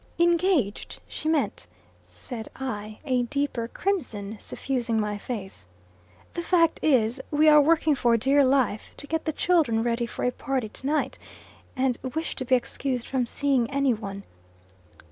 "Engaged, she meant," said I, a deeper crimson suffusing my face. "The fact is, we are working for dear life, to get the children ready for a party to night, and wished to be excused from seeing any one."